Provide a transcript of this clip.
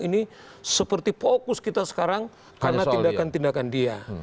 ini seperti fokus kita sekarang karena tindakan tindakan dia